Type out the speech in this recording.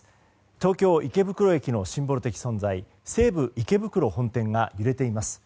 東京・池袋駅のシンボル的存在西武池袋本店が揺れています。